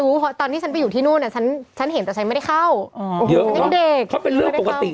อือพอญี่ปุ่นมีบาร์เยอะมีทุกที่